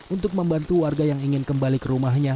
untuk membantu warga yang ingin kembali ke rumahnya